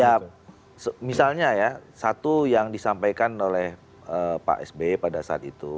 ya misalnya ya satu yang disampaikan oleh pak sby pada saat itu